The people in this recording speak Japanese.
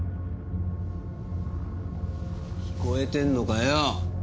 聞こえてんのかよ？